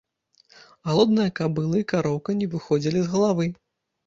Галодная кабыла і кароўка не выходзілі з галавы.